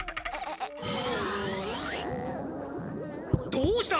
どうした！？